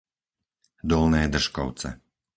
Dolné Držkovce